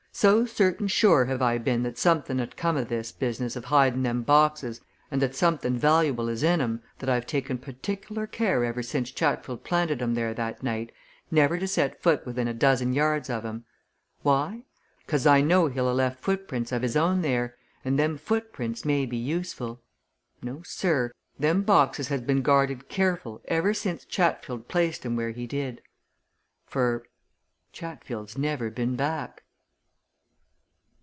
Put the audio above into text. "So certain sure have I been that something 'ud come o' this business of hiding them boxes and that something valuable is in 'em that I've taken partiklar care ever since Chatfield planted 'em there that night never to set foot within a dozen yards of 'em. Why? 'Cause I know he'll ha' left footprints of his own there, and them footprints may be useful. No, sir! them boxes has been guarded careful ever since Chatfield placed 'em where he did. For Chatfield's never been back!"